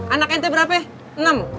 anak ente berapa ya